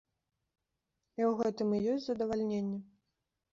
І ў гэтым і ёсць задавальненне.